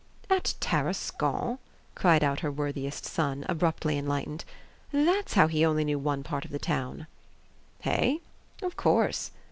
"At Tarascon!" cried out her worthiest son, abruptly enlightened. "That's how he only knew one part of the Town." "Hey? Of course.